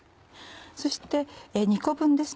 そして２個分ですね。